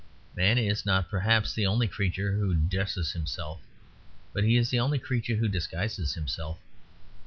Man is not, perhaps, the only creature who dresses himself, but he is the only creature who disguises himself.